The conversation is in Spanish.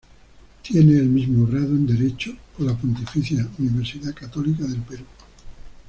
Tiene el mismo grado, en Derecho, por la Pontificia Universidad Católica del Perú.